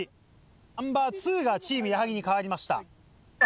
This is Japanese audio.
ナンバー２がチーム矢作に変わりました。